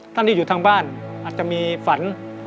ท่านที่อยู่ทางบ้านอาจจะมีฝัน